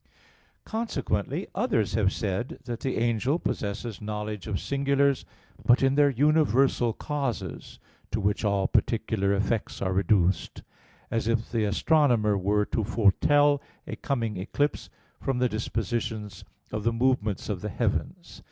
Consequently others have said that the angel possesses knowledge of singulars, but in their universal causes, to which all particular effects are reduced; as if the astronomer were to foretell a coming eclipse from the dispositions of the movements of the heavens.